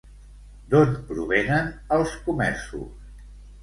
D'on provenen els comerços?